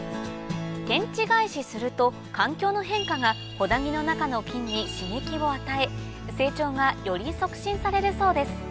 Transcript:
天地返しすると環境の変化が榾木の中の木に刺激を与え成長がより促進されるそうです